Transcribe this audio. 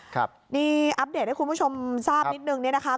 ครับนี่อัปเดตให้คุณผู้ชมทราบนิดนึงเนี่ยนะคะ